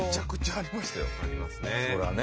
ありますね。